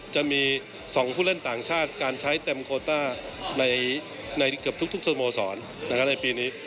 จะมี๒ผู้เล่นต่างชาติการใช้เต็มโคต้าในเกือบทุกสโมสรในปีนี้